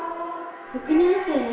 ６年生へ。